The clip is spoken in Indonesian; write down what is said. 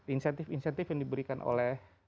insentif insentif yang diberikan oleh